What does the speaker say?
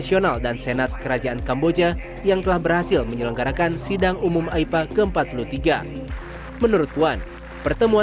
saya mencari kemampuan untuk mengucapkan selamat datang kembali di indonesia di tahun dua ribu dua puluh tiga